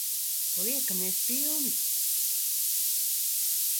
Liekamies pilni.